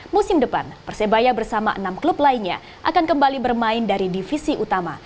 musim depan persebaya bersama enam klub lainnya akan kembali bermain dari divisi utama